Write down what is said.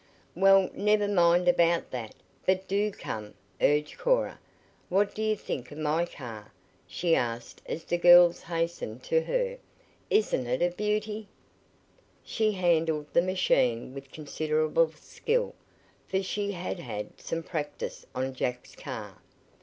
"Well, never mind about that, but do come," urged Cora. "What do you think of my car?" she asked as the girls hastened to her. "Isn't it a beauty?" She handled the machine with considerable skill, for she had had some practice on Jack's car.